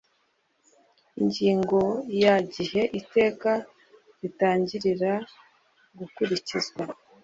Ingingo ya igihe iteka ritangirira gukurikizwa